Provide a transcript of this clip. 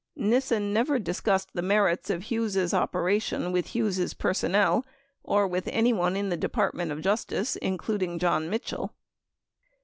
Nissen never discussed the merits of Hughes' op eration with Hughes' personnel or with any one in the Department of Justice, including John Mitchell.